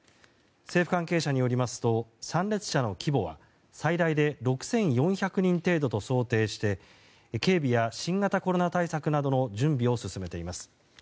政府関係者によりますと参列者の規模は最大で６４００人程度と想定して警備や新型コロナ対策などの準備を進めています。